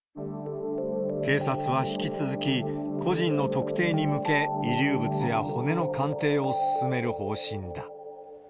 警察は引き続き、個人の特定に向け、遺留物や骨の鑑定を進める方針だ。